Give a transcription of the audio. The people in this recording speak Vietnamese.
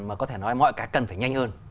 mà có thể nói mọi cái cần phải nhanh hơn